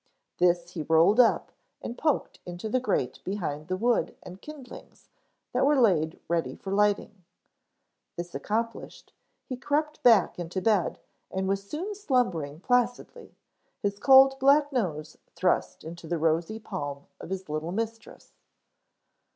This he rolled up and poked into the grate behind the wood and kindlings that were laid ready for lighting. This accomplished, he crept back into bed and was soon slumbering placidly, his cold black nose thrust into the rosy palm of his little mistress.